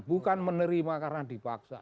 bukan menerima karena dipaksa